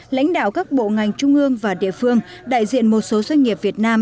lãnh đạo các bộ ngành trung ương và địa phương đại diện một số doanh nghiệp việt nam